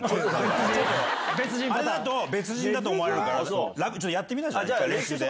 ちょっと、あれだと別人だと思われるから、ちょっとやってみな、練習で。